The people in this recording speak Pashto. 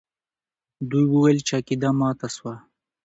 دوی وویل چې عقیده ماته سوه.